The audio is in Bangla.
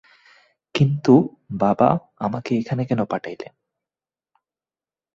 কিন্তু, বাবা আমাকে এখানে কেন পাঠাইলেন।